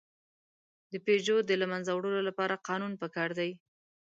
د پيژو د له منځه وړلو لپاره قانون پکار دی.